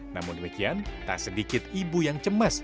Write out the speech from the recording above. namun demikian tak sedikit ibu yang cemas